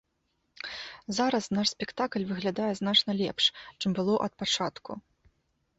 Зараз наш спектакль выглядае значна лепш, чым было ад пачатку.